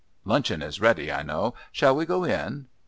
Luncheon is ready, I know. Shall we go in?"